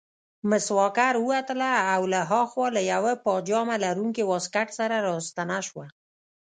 مس واکر ووتله او له هاخوا له یوه پاجامه لرونکي واسکټ سره راستنه شوه.